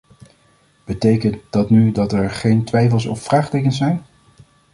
Betekent dat nu dat er geen twijfels of vraagtekens zijn?